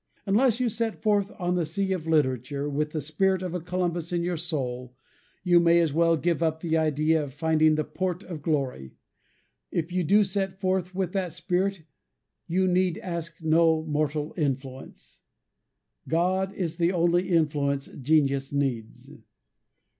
Unless you set forth on the sea of literature, with the spirit of a Columbus in your soul, you may as well give up the idea of finding the Port of Glory. If you do set forth with that spirit, you need ask no mortal influence. God is the only influence genius needs.